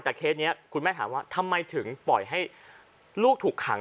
แต่เคสนี้คุณแม่ถามว่าทำไมถึงปล่อยให้ลูกถูกขัง